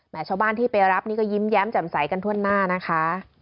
ชาวบ้านที่ไปรับนี่ก็ยิ้มแย้มแจ่มใสกันทั่วหน้านะคะ